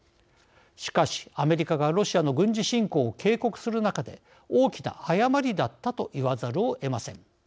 しかし、アメリカがロシアの軍事侵攻を警告する中で大きな誤りだったと言わざるをえません。